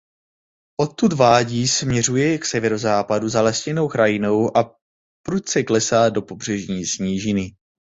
Odtud vádí směřuje k severozápadu zalesněnou krajinou a prudce klesá do pobřežní nížiny.